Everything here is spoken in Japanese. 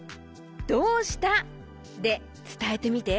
「どうした」でつたえてみて。